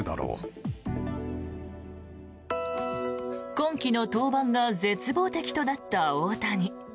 今季の登板が絶望的となった大谷。